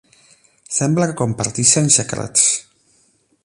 Sembla que comparteixen secrets.